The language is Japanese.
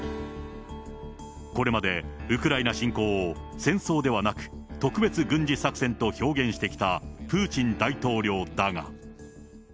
これまでウクライナ侵攻を戦争ではなく、特別軍事作戦と表現してきたプーチン大統領だが。